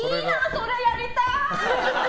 それやりたい！